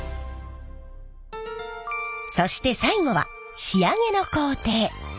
そして最後は仕上げの工程。